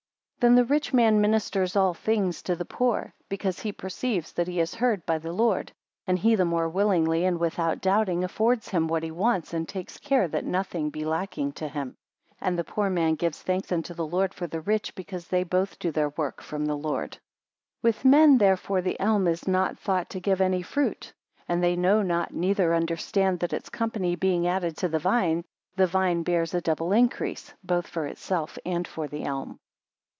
8 Then the rich man ministers all thing to the poor, because he perceives that he is heard by the Lord; and he the more willingly and without doubting, affords him what he wants, and takes care that nothing be lacking to him. 9 And the poor man gives thanks unto the Lord for the rich; because they both do their work from the Lord. 10 With men, therefore, the elm is not thought to give any fruit; and they know not, neither understand that its company being added to the vine, the vine bears a double increase, both for itself and for the elm.